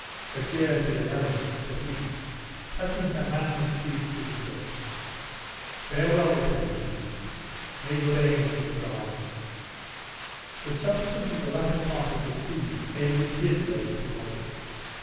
Adieu, dear Helen!" said he, touching her mantling cheek with his lips. "Farewell," returned she, "may good angels guard you!" The substance of the latter part of this scene Edwin did relate to Wallace.